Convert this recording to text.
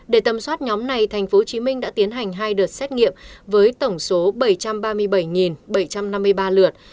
để tầm soát nhóm này tp hcm đã tiến hành hai đợt xét nghiệm với tổng số bảy trăm ba mươi bảy bảy trăm năm mươi ba lượt